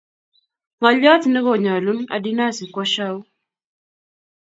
ngaliot ne ko nyalun adinasi kwo shwau